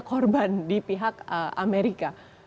korban di pihak amerika